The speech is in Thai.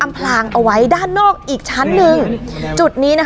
แล้วก็ไปซ่อนไว้ในโครงเหล็กในคานหลังคาของโรงรถอีกทีนึง